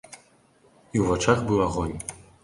І ў вачах быў агонь.